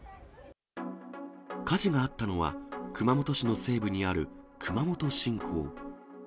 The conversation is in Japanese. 火事があったのは、熊本市の西部にある熊本新港。